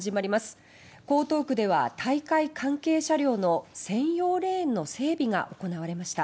江東区では大会関係車両の専用レーンの整備が行われました。